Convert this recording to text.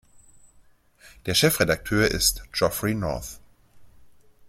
Der Chefredakteur ist Geoffrey North.